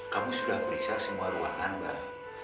kamu sudah periksa semua ruangan bar